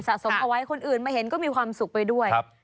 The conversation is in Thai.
สมเอาไว้คนอื่นมาเห็นก็มีความสุขไปด้วย